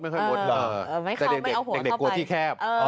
ไม่เข้าไม่เอาหัวเข้าไปแต่เด็กกลัวที่แคบ